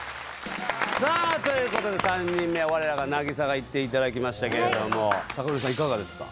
さあということで３人目我らが凪咲がいっていただきましたけれどもＴＡＫＡＨＩＲＯさんいかがですか？